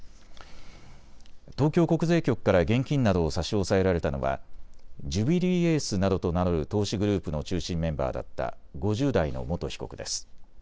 東京国税局から現金などを差し押さえられたのはジュビリーエースなどと名乗る投資グループの中心メンバーだった５０代の元被告です。